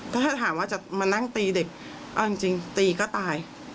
ถ้าถามว่าจะมานั่งตีเด็กเอาจริงตีก็ตาย